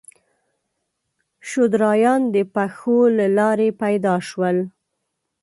شودرایان د پښو له لارې پیدا شول.